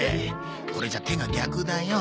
これじゃ手が逆だよ。